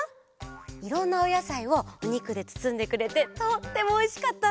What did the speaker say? いろんなおやさいをおにくでつつんでくれてとってもおいしかったんだ。